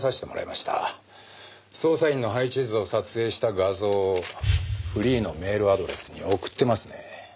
捜査員の配置図を撮影した画像をフリーのメールアドレスに送ってますね。